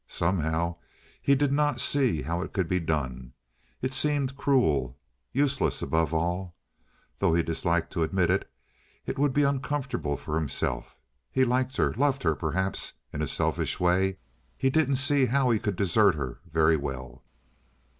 Somehow he did not see how it could be done. It seemed cruel, useless; above all (though he disliked to admit it) it would be uncomfortable for himself. He liked her—loved her, perhaps, in a selfish way. He didn't see how he could desert her very well.